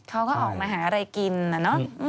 เขาก็ออกมาหาอะไรกินน่ะเนอะ